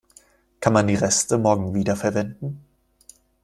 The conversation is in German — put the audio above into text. Kann man die Reste morgen wiederverwenden?